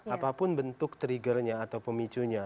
apapun bentuk triggernya atau pemicunya